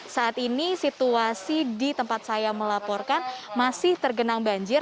saat ini situasi di tempat saya melaporkan masih tergenang banjir